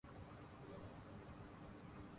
جب پاکستان معرض وجود میں آیا تھا۔